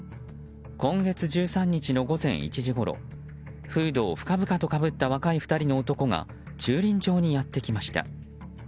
今月１３日の午前１時ごろフードを深々とかぶった若い２人の男が駐輪場にやってきました。